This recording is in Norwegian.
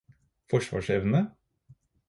forsvarsevne